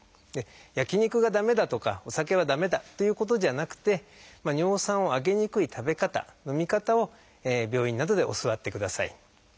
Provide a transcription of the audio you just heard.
焼き肉が駄目だとかお酒は駄目だっていうことじゃなくて尿酸を上げにくい食べ方飲み方を病院などで教わってください。